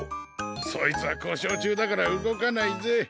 そいつはこしょうちゅうだからうごかないぜ。